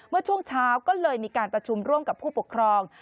เมื่อช่วงเช้าก็เลยมีการประชุมร่วมกับผู้ปกครอง